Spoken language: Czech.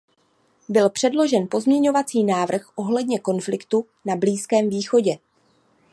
Byl předložen pozměňovací návrh ohledně konfliktu na Blízkém východě.